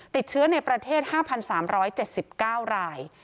ติดเชื้อในประเทศ๕๓๗๙ราย